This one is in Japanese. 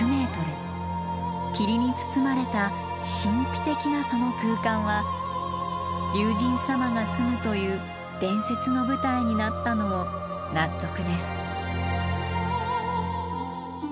霧に包まれた神秘的なその空間は竜神さまがすむという伝説の舞台になったのも納得です。